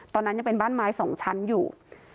ตอนนั้นยังเป็นบ้านไม้๒ชั้นอยู่